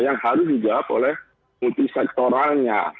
yang harus dijawab oleh multisektoralnya